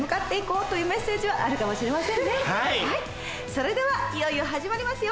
それではいよいよ始まりますよ。